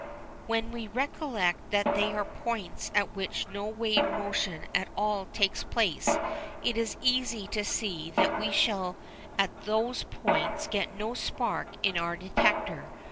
When we recollect that they are points at which no wave motion at all takes place it is easy to see that we shall at those points get no spark in our detector.